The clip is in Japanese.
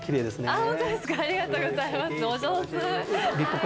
ありがとうございますお上手。